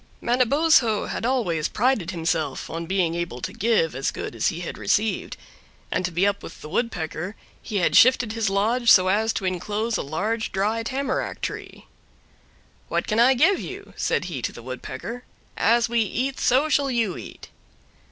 Manabozho had always prided himself on being able to give as good as he had received; and to be up with the Woodpecker he had shifted his lodge so as to inclose a large dry tamarack tree. "What can I give you?" said he to the Woodpecker; "as we eat so shall you eat."